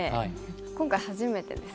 今回初めてですよね。